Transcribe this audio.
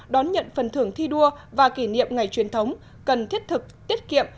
đón nhận phần thưởng thi đua và kỷ niệm ngày truyền thống cần thiết thực tiết kiệm